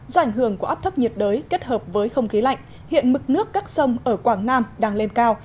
do ảnh hưởng của áp thấp nhiệt đới kết hợp với không khí lạnh hiện mực nước các sông ở quảng nam đang lên cao